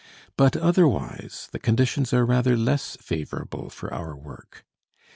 But otherwise the conditions are rather less favorable for our work.